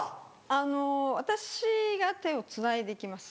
あの私が手をつないでいきます。